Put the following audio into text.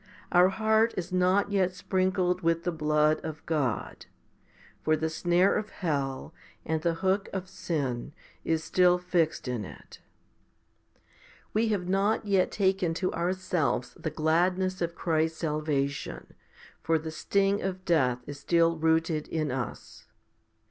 Our heart is not yet sprinkled with the blood of God ; for the snare of hell, 5 and the hook of sin is still fixed in it. 4. We have not yet taken to our selves the gladness of Christ's salvation, for the sting of death 6 is still rooted in us.